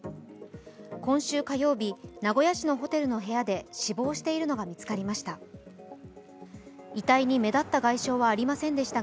今週火曜日、名古屋市のホテルの部屋で死亡しているのが見つかりました。